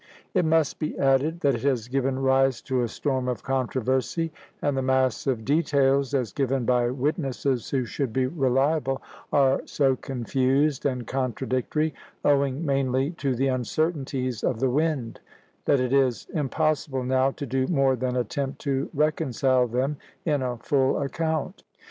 It must be added that it has given rise to a storm of controversy; and the mass of details, as given by witnesses who should be reliable, are so confused and contradictory, owing mainly to the uncertainties of the wind, that it is impossible now to do more than attempt to reconcile them in a full account.